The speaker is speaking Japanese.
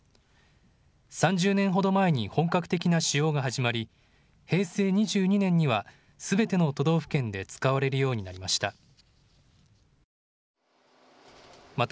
３０年ほど前に本格的な使用が始まり、平成２２年にはすべての都道府県で使われるようになりました。